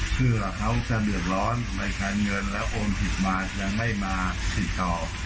เพื่อเขาจะเดือดร้อนในการเงินแล้วโอนผิดมายังไม่มาติดต่อ